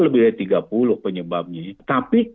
lebih dari tiga puluh penyebabnya tapi